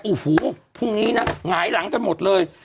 โอ้โหพรุ่งนี้นะหงายหลังกันหมดเลย